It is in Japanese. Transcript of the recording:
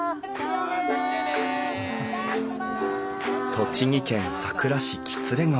栃木県さくら市喜連川。